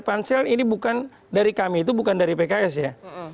pansel ini bukan dari kami itu bukan dari pks ya